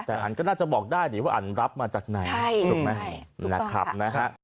แต่อันก็น่าจะบอกได้ดิว่าอันรับมาจากไหนถูกไหมนะครับนะฮะ